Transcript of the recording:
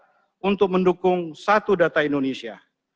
dan melaksanakan big data untuk mendukung satu data indonesia